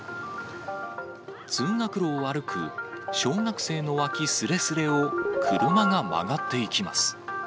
通学路を歩く小学生の脇すれすれを車が曲がっていきます。